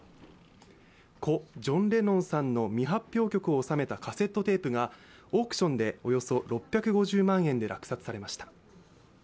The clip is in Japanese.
故ジョン・レノンさんの未発表曲を収めたカセットテープがオークションでおよそ６５０万円で落札されました。